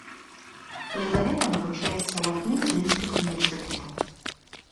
Лізавета навучаецца ў адным з мінскіх універсітэтаў.